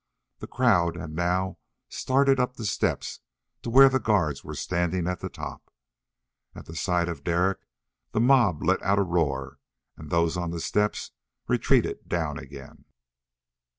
The crowd had now started up the steps to where the guards were standing at the top. At the sight of Derek the mob let out a roar, and those on the steps retreated down again.